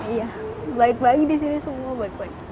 iya baik baik di sini semua